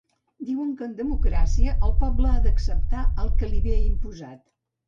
Diuen que en democràcia el poble ha d'acceptar el que li ve imposat.